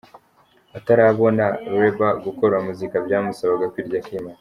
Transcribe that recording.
Atarabona ‘Label’, gukora muzika byamusabaga kwirya akimara.